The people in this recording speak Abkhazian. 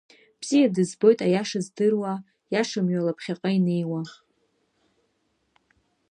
Бзиа дызбоит аиаша здыруа, Иаша мҩала ԥхьаҟа инеиуа.